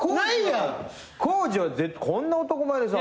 康二はこんな男前でさ。